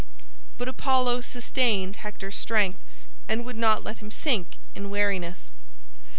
But Apollo sustained Hector's strength and would not let him sink in weariness.